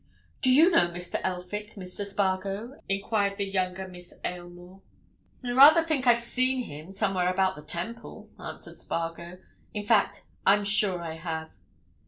"Do you know Mr. Elphick, Mr. Spargo?" enquired the younger Miss Aylmore. "I rather think I've seen him, somewhere about the Temple," answered Spargo. "In fact, I'm sure I have."